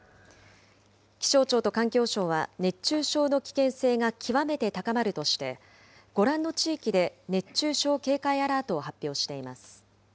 気象庁の環境省は熱中症の危険性が極めて高まるとして、ご覧の地域で熱中症警戒アラートを発表しています。